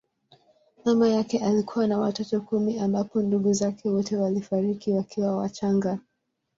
Mama yake alikuwa na watoto kumi ambapo ndugu zake wote walifariki wakiwa wachanga.